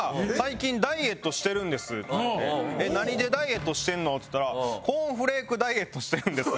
「何でダイエットしてるの？」って言ったら「コーンフレークダイエットしてるんです」。